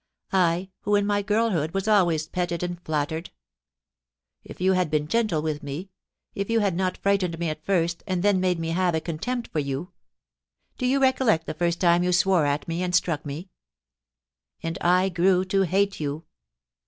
I, who in my girlhood was always petted and flattered ?... If you had been gentle with me — if you had not frightened me at first and then made me have a con tempt for you Do you recollect the first time you swore at me and struck me ?... And I grew to hate you.